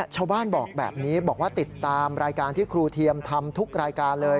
ชาวบ้านบอกแบบนี้บอกว่าติดตามรายการที่ครูเทียมทำทุกรายการเลย